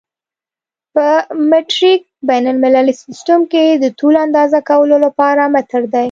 په مټریک بین المللي سیسټم کې د طول اندازه کولو لپاره متر دی.